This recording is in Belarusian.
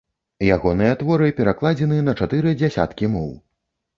Ягоныя творы перакладзены на чатыры дзясяткі моў.